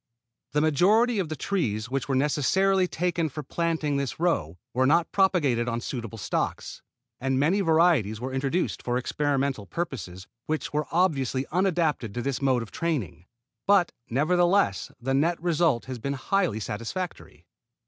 The majority of the trees which were necessarily taken for planting this row were not propagated on suitable stocks, and many varieties were introduced for experimental purposes which were obviously unadapted to this mode of training, but nevertheless the net result has been highly satisfactory.